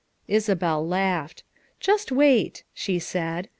Isabel laughed. "Just wait," she said.